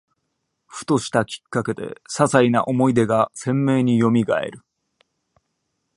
ふとしたきっかけで、ささいな思い出が鮮明によみがえる